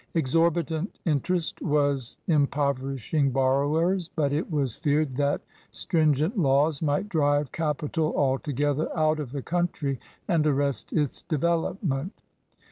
Exorbitant interest was impov erishing borrowers, but it was feared that strin gent laws might drive capital altogether out of the country and arrest its development.